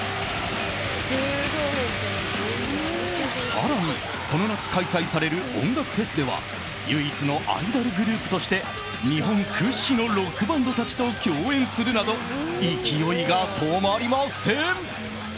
更に、この夏開催される音楽フェスでは唯一のアイドルグループとして日本屈指のロックバンドたちと共演するなど勢いが止まりません。